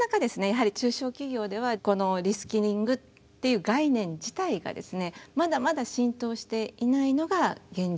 やはり中小企業ではこのリスキリングっていう概念自体がですねまだまだ浸透していないのが現状です。